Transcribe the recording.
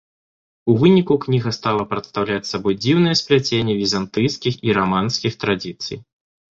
У выніку кніга стала прадстаўляць сабой дзіўнае спляценне візантыйскіх і раманскіх традыцый.